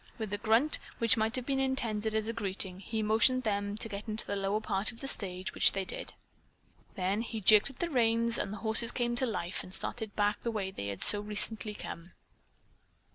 With a grunt, which might have been intended as a greeting, he motioned them to get into the lower part of the stage, which they did. Then he jerked at the reins and the horses came to life and started back the way they had so recently come.